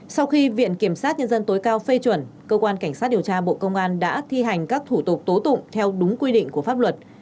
sau khi viện kiểm sát nhân dân tối cao phê chuẩn cơ quan cảnh sát điều tra bộ công an đã thi hành các thủ tục tố tụng theo đúng quy định của pháp luật